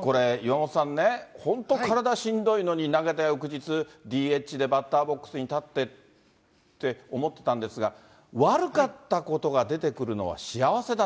これ、岩本さんね、本当、体しんどいのに、投げた翌日、ＤＨでバッターボックスに立ってって思ってたんですが、悪かったことが出てくるのは幸せだ。